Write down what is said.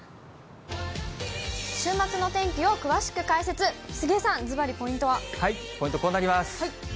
週末の天気を詳しく解説、ポイント、こうなります。